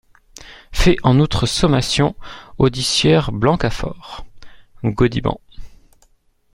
Fais, en outre, sommation audit sieur Blancafort…" Gaudiband.